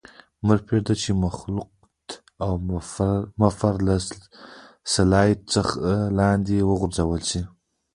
مه پرېږدئ چې مخلوط او بفر له سلایډ څخه لاندې وغورځيږي.